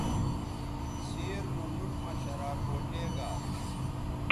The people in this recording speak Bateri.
سیر نو نُوٹ مہ شراکوٹے گا